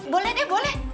boleh deh boleh